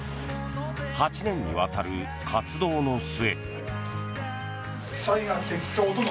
８年にわたる活動の末。